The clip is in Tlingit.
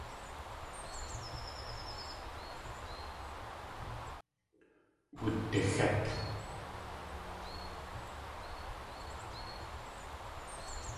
Wudixét.